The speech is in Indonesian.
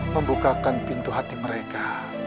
membukakan pintu hati mereka